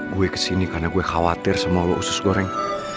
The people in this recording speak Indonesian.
gue kesini karena gue khawatir sama lo usus goreng